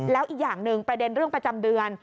แล้วอีกอย่างหนึ่งประเด็นเรื่องประจำเดือน